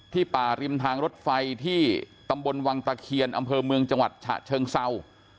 ป่าริมทางรถไฟที่ตำบลวังตะเคียนอำเภอเมืองจังหวัดฉะเชิงเศร้า